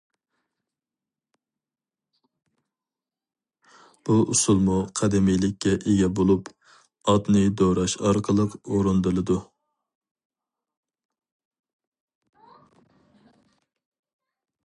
بۇ ئۇسسۇلمۇ قەدىمىيلىككە ئىگە بولۇپ، ئاتنى دوراش ئارقىلىق ئورۇندىلىدۇ.